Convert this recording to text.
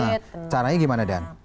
nah caranya gimana dan